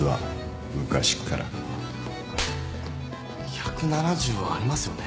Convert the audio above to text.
１７０はありますよね。